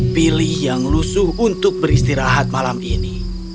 pilih yang lusuh untuk beristirahat malam ini